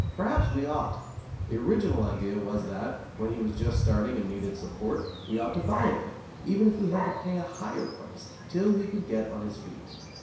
Perhaps we ought. The original idea was that, when he was just starting and needed support, we ought to buy of him, even if we had to pay a higher price, till he could get on his feet.